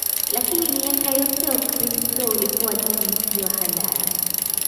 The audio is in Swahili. Lakini miaka yote Ukristo ulikuwa dini isiyo halali.